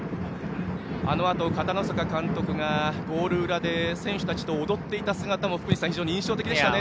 あのあと片野坂監督がゴール裏で選手たちと踊っていた姿も福西さん、非常に印象的でしたね。